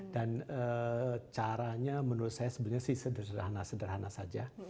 dan caranya menurut saya sebenarnya sederhana sederhana saja